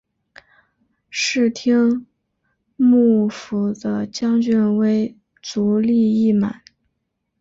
室町幕府的将军为足利义满。